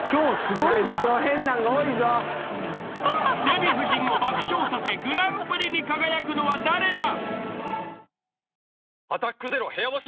［デヴィ夫人を爆笑させグランプリに輝くのは誰だ？］